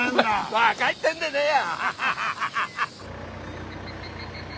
バカ言ってんでねえよ！